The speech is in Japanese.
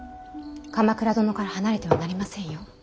鎌倉殿から離れてはなりませんよ。